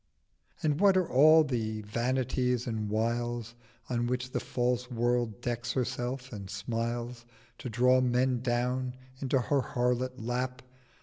And what are all the Vanities and Wiles In which the false World decks herself and smiles To draw Men down into her harlot Lap?